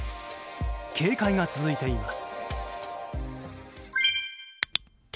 警戒が続いています。